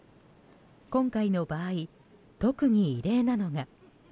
今回の場合、特に異例なのが。